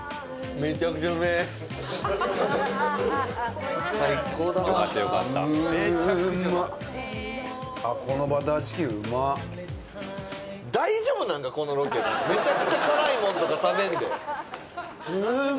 めちゃくちゃ辛いもんとか食べんで。